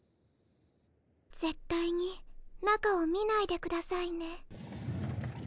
ぜったいに中を見ないでくださいね。